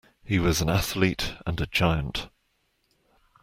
He was an athlete and a giant.